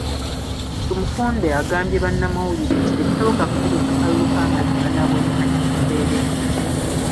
Tumukunde agambye bannamawulire nti tekisoboka kutegaka kalulu ka mazima na bwenkanya mu mbeera eno.